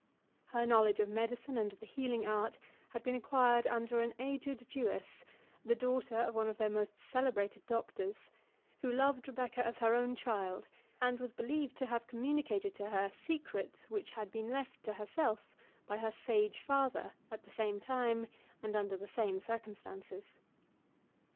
Her knowledge of medicine and of the healing art had been acquired under an aged Jewess, the daughter of one of their most celebrated doctors, who loved Rebecca as her own child, and was believed to have communicated to her secrets, which had been left to herself by her sage father at the same time, and under the same circumstances.